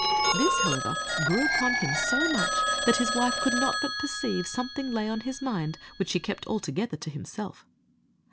This, however, grew upon him so much that his wife could not but perceive something lay on his mind which he kept altogether to himself.